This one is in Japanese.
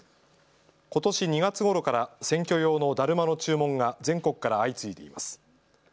ことし２月ごろから選挙用のだるまの注文が全国から相次いでいます。